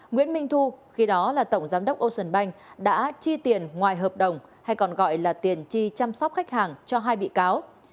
nguyễn minh thu khi đó là tổng giám đốc ocean bank đã chi tiền ngoài hợp đồng hay còn gọi là tiền chi chăm sóc khách hàng cho hai bị cáo